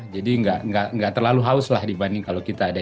jadi nggak terlalu haus lah dibanding kalau kita ada